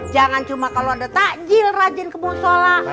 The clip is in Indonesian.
jangan cuma kalau ada takjil rajin ke musola